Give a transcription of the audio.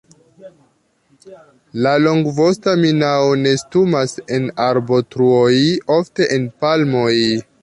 La Longvosta minao nestumas en arbotruoj, ofte en palmoj.